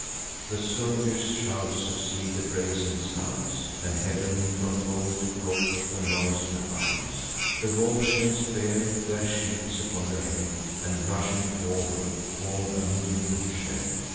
The soldiers' shouts succeed the brazen sounds; And heav'n, from pole to pole, the noise rebounds. The Volscians bear their shields upon their head, And, rushing forward, form a moving shed.